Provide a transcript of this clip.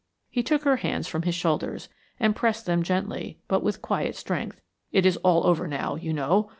He took her hands from his shoulders, and pressed them gently, but with quiet strength. "It is all over now, you know.